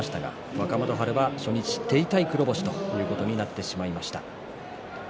若元春は初日手痛い黒星になってしまいました。